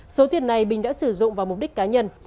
số tiền này bình đã sử dụng vào mục đích cá nhân